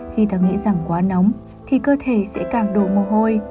khi ta nghĩ rằng quá nóng thì cơ thể sẽ càng đổ mồ hôi